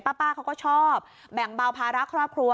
ป้าเขาก็ชอบแบ่งเบาภาระครอบครัว